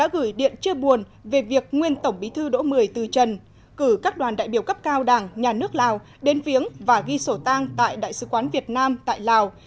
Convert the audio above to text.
hiện chưa buồn về việc nguyên tổng bí thư đỗ bười tư trần cử các đoàn đại biểu cấp cao đảng nhà nước lào đến phiếng và ghi sổ tang tại đại sứ quán việt nam tại lào